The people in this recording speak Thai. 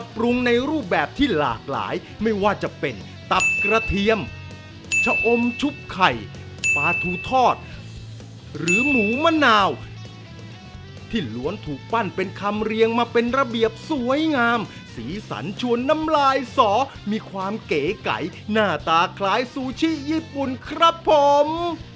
ปรุงในรูปแบบที่หลากหลายไม่ว่าจะเป็นตับกระเทียมชะอมชุบไข่ปลาทูทอดหรือหมูมะนาวที่ล้วนถูกปั้นเป็นคำเรียงมาเป็นระเบียบสวยงามสีสันชวนน้ำลายสอมีความเก๋ไก่หน้าตาคล้ายซูชิญี่ปุ่นครับผม